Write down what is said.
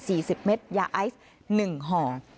สี่สิบเม็ดยาไอซ์หนึ่งห่อ